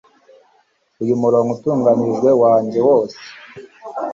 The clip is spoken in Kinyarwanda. uyu murongo utunganijwe wanjye wose